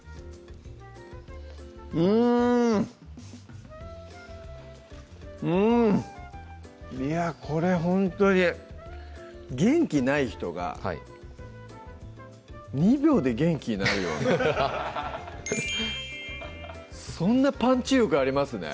うんうんいやこれほんとに元気ない人が２秒で元気になるようなそんなパンチ力ありますね